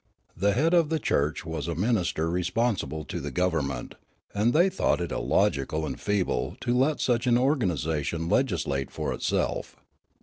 The head of the church was a minister responsible to the government, and they thought it illogical and feeble to let such an organisation legislate for itself.